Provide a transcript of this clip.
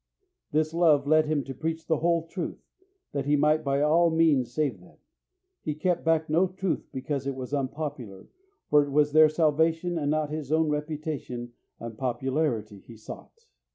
This love led him to preach the whole truth, that he might by all means save them. He kept back no truth because it was unpopular, for it was their salvation and not his own reputation and popularity he sought.